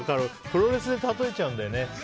プロレスで例えちゃうんだよね。